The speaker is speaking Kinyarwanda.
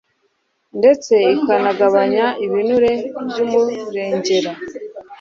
ndetse ikanagabanya ibinure by'umurengera.